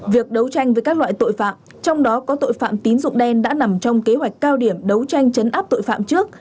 việc đấu tranh với các loại tội phạm trong đó có tội phạm tín dụng đen đã nằm trong kế hoạch cao điểm đấu tranh chấn áp tội phạm trước